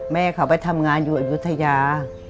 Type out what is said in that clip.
แม่เขาไปทำงานอยู่อายุทยา